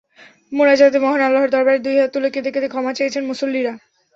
মোনাজাতে মহান আল্লাহর দরবারে দুই হাত তুলে কেঁদে কেঁদে ক্ষমা চেয়েছেন মুসল্লিরা।